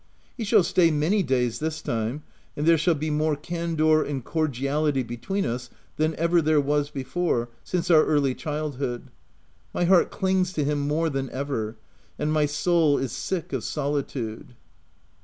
He shall stay many days this time, and there shall be more candour and cordiality between us than ever there was before, since our early child hood : my heart clings to him more than ever ; and my soul is sick of solitude.